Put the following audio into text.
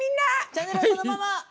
チャンネルはそのまま！